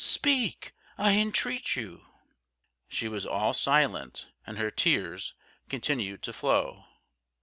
Speak, I entreat you!" She was all silent, and her tears continued to flow.